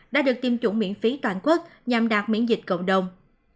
đã được tiêm chủng miễn phí toàn quốc nhằm đạt miễn dịch cộng đồng